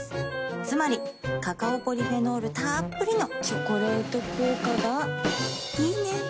つまりカカオポリフェノールたっぷりの「チョコレート効果」がいいね。